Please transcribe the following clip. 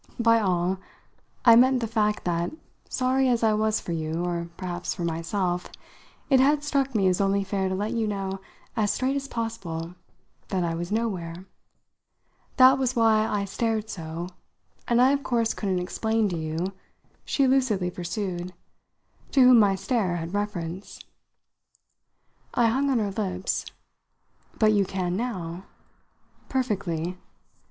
By 'all' I meant the fact that, sorry as I was for you or perhaps for myself it had struck me as only fair to let you know as straight as possible that I was nowhere. That was why I stared so, and I of course couldn't explain to you," she lucidly pursued, "to whom my stare had reference." I hung on her lips. "But you can now?" "Perfectly.